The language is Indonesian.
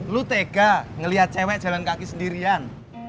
lu tega ngelihat cewek jalan kaki sendirian